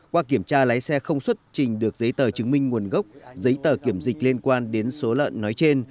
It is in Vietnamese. qua kiểm tra lái xe không xuất trình được giấy tờ chứng minh nguồn gốc giấy tờ kiểm dịch liên quan đến số lợn nói trên